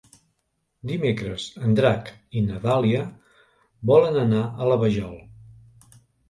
Dimecres en Drac i na Dàlia volen anar a la Vajol.